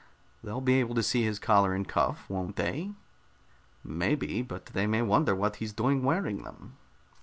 "They'll be able to see his collar and cuff, won't they?" "Maybe. But they may wonder what he's doing wearing them."